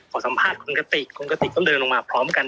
สัมภาษณ์คุณกติกคุณกติกก็เดินลงมาพร้อมกัน